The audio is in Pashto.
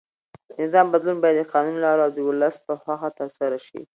د نظام بدلون باید د قانوني لارو او د ولس په خوښه ترسره شي.